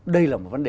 đây là một vấn đề